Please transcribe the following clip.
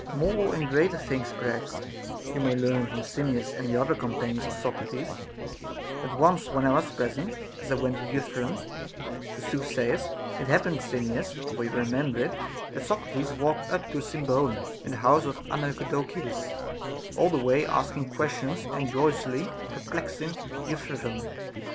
More and greater things perhaps you may learn from Simmias and other companions of Socrates ; but once when I was present, as I went to Euthyphron the soothsayer's, it haj^pened, Sim mias, — for you remember it, — that Socrates walked up to Symbolum and the house of Andocides, all the way ask ing questions and jocosely perplexing Euthyphron.